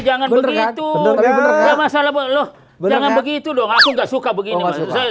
jangan begitu bener bener masalah beluh jangan begitu dong aku nggak suka begini begini oh